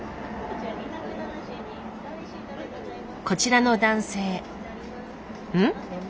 こちらの男性ん？